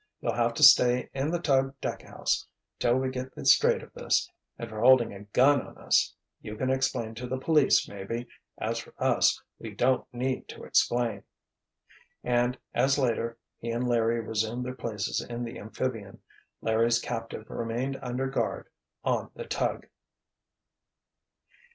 "You'll have to stay in the tug deckhouse, till we get the straight of this—and for holding a gun on us. You can explain to the police, maybe—as for us, we don't need to explain!" And, as later, he and Larry resumed their places in the amphibian, Larry's captive remained under guard on the tug.